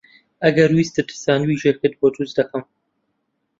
ئەگەر ویستت ساندویچێکت بۆ دروست دەکەم.